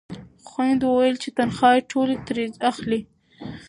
خویندو ویل چې تنخوا ټولې ترې اخلئ.